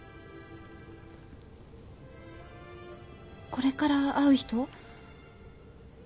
これから会う人？